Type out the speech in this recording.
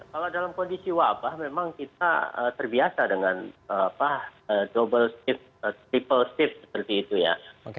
kalau dalam kondisi wabah memang kita terbiasa dengan double shift triple shift seperti itu ya